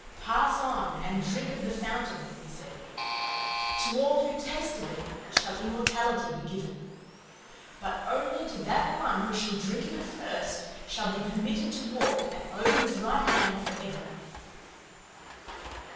"'Pass on and drink of the fountain,' he said. 'To all who taste of it shall immortality be given. But only to that one who shall drink of it first shall be permitted to walk at Odin's right hand forever.